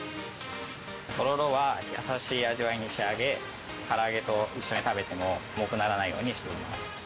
とろろは優しい味わいに仕上げ、から揚げと一緒に食べても、重くならないようにしています。